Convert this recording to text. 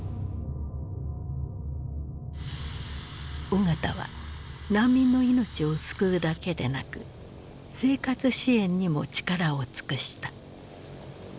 緒方は難民の命を救うだけでなく生活支援にも力を尽くした。